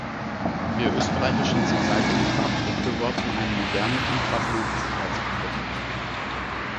Wir österreichischen Sozialdemokraten befürworten einen modernen, umfassenden Sicherheitsbegriff.